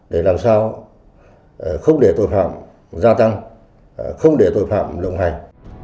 để làm sao không để tội phạm gia tăng không để tội phạm lộng hành